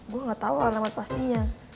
gue gak tau alamat pastinya